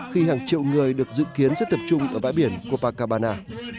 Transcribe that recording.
khi hàng triệu người được dự kiến sẽ tập trung ở bãi biển kopacabana